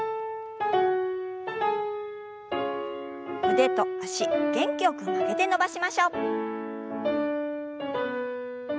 腕と脚元気よく曲げて伸ばしましょう。